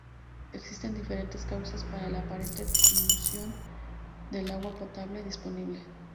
Existen diferentes causas para la aparente disminución del agua potable disponible.